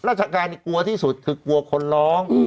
ราชการกลัวที่สุดคือกลัวคนร้อง